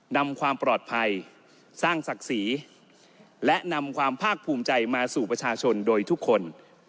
นำความปลอดภัยสร้างศักดิ์ศรีและนำความภาคภูมิใจมาสู่ประชาชนโดยทุกคน